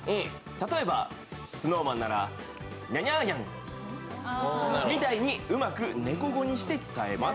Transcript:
例えば、ＳｎｏｗＭａｎならニャニャーニャンみたいにうまく猫語にして伝えます。